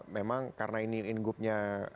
memang karena ini ingupnya